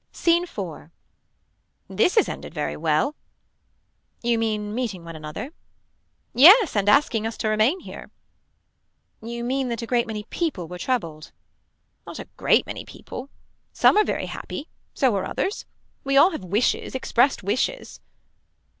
Scene 4. This has ended very well. You mean meeting one another. Yes and asking us to remain here. You mean that a great many people were troubled. Not a great many people. Some are very happy. So are others. We all have wishes. Expressed wishes.